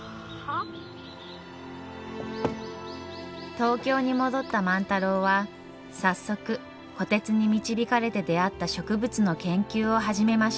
東京に戻った万太郎は早速虎鉄に導かれて出会った植物の研究を始めました。